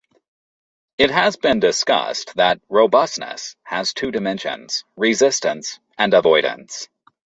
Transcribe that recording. It has been discussed that robustness has two dimensions: resistance and avoidance.